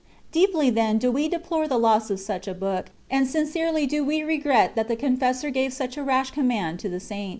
Deeply, then, do we deplore the loss of such a book, and sincerely do we regret that the confessor gave such a rash command to the Saint.